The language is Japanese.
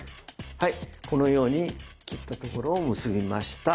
はいこのように切ったところを結びました。